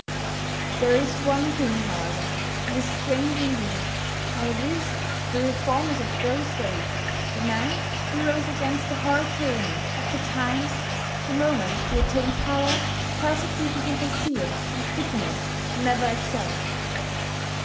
There is one thing, however, that is strange indeed, and that is that the reformers of those days, the men who rose against the horrid tyranny of the times, the moment they attained power, persecuted with a zeal and bitterness never excelled.